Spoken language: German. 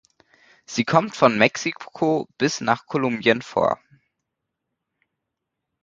Sie kommt von Mexiko bis nach Kolumbien vor.